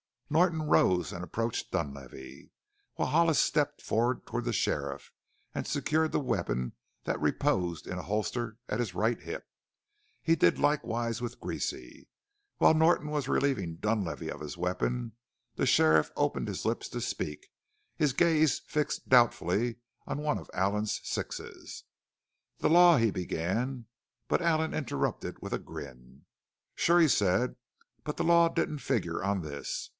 Norton rose and approached Dunlavey, while Hollis stepped forward to the sheriff and secured the weapon that reposed in a holster at his right hip. He did likewise with Greasy. While Norton was relieving Dunlavey of his weapon the sheriff opened his lips to speak, his gaze fixed doubtfully on one of Allen's sixes. "The law " he began. But Allen interrupted with a grin. "Sure," he said, "the law didn't figure on this.